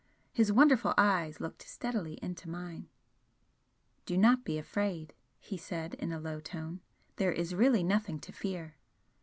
His wonderful eyes looked steadily into mine. "Do not be afraid!" he said, in a low tone "There is really nothing to fear!"